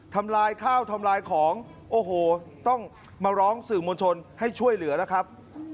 ทำลายข้าวทำลายของโอ้โหต้องมาร้องสื่อมวลชนให้ช่วยเหลือแล้วครับ